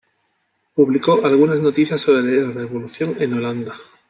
Publicó algunas notas sobre la revolución en Holanda.